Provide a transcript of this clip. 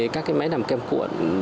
các cái máy làm kem cuộn